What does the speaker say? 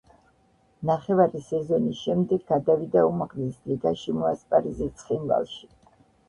ნახევარი სეზონის შემდეგ გადავიდა უმაღლეს ლიგაში მოასპარეზე „ცხინვალში“.